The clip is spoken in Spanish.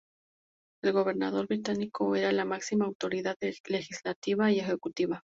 El gobernador británico era la máxima autoridad legislativa y ejecutiva.